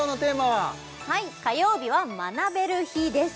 はい火曜日は学べる日です